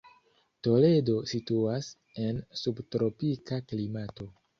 Toledo situas en subtropika klimato.